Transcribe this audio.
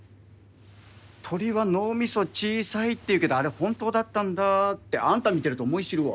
鳥は脳みそ小さいっていうけどあれ本当だったんだってあんた見てると思い知るわ。